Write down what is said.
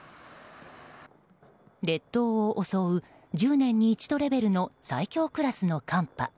列島を襲う１０年に一度レベルの最強クラスの寒波。